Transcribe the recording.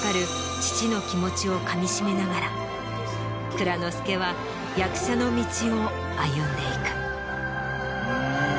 蔵之介は役者の道を歩んでいく。